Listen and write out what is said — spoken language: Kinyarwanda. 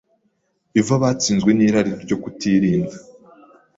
Eva batsinzwe n’irari ryo kutirinda